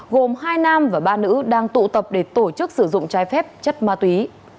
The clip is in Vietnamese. gồm hai nam và ba nữ đang tụ tập để tổ chức sử dụng trái phép chất ma túy